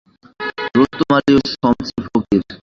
রোস্তম আলী ও শমসের ফকির।